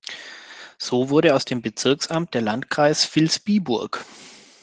So wurde aus dem Bezirksamt der Landkreis Vilsbiburg.